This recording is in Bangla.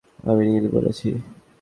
আমি নীল বলেছি।